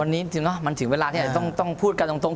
วันนี้ถือว่ามันถึงเวลาที่เราต้องพูดกันตรง